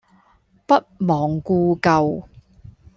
不忘故舊